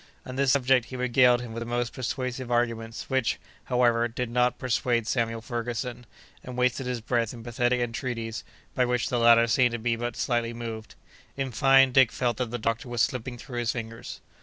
On this subject, he regaled him with the most persuasive arguments, which, however, did not persuade Samuel Ferguson, and wasted his breath in pathetic entreaties, by which the latter seemed to be but slightly moved. In fine, Dick felt that the doctor was slipping through his fingers.